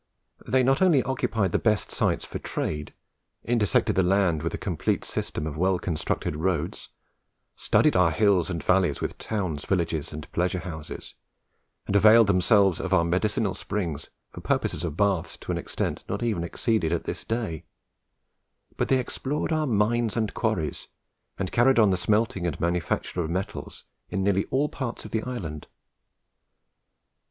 They not only occupied the best sites for trade, intersected the land with a complete system of well constructed roads, studded our hills and valleys with towns, villages, and pleasure houses, and availed themselves of our medicinal springs for purposes of baths to an extent not even exceeded at this day, but they explored our mines and quarries, and carried on the smelting and manufacture of metals in nearly all parts of the island.